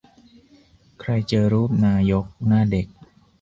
ใครเจอรูปนายกหน้าเด็ก